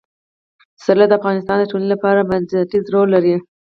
پسرلی د افغانستان د ټولنې لپاره بنسټيز رول لري.